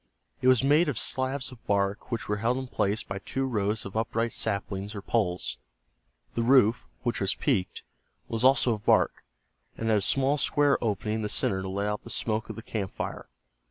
It was made of slabs of bark which were held in place by two rows of upright saplings or poles. The roof, which was peaked, was also of bark, and had a small square opening in the center to let out the smoke of the camp fire.